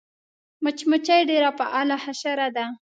مچمچۍ ډېره فعاله حشره ده